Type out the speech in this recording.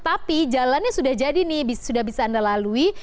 tapi jalannya sudah jadi nih sudah bisa anda lalui